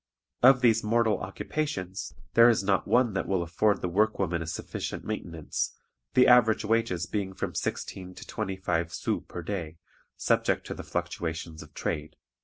Of these mortal occupations there is not one that will afford the workwoman a sufficient maintenance, the average wages being from sixteen to twenty five sous per day, subject to the fluctuations of trade."